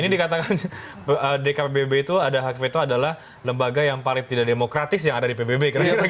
ini dikatakan dkpbb itu ada hak veto adalah lembaga yang paling tidak demokratis yang ada di pbb